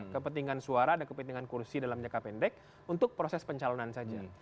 kepentingan suara dan kepentingan kursi dalam jangka pendek untuk proses pencalonan saja